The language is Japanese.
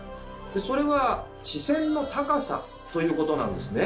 それは「視線の高さ」ということなんですね。